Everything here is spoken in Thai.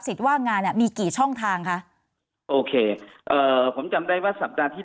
สิทธิ์ว่างงานมีกี่ช่องทางคะโอเคผมจำได้ว่าสัปดาห์ที่